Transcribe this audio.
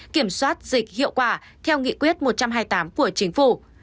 kiểm soát dịch hiệu quả theo nghị quyết một trăm hai mươi tám của chính phủ